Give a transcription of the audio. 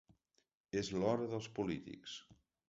És l’hora dels polítics.